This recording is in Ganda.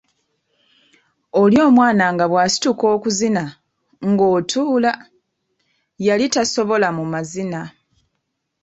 Oli omwana nga bw’asituka okuzina ng’otuula! yali tasobola mu mazina.